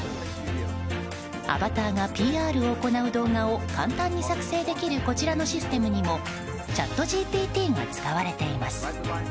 アバターがＰＲを行う動画を簡単に作成できるこちらのシステムにもチャットＧＰＴが使われています。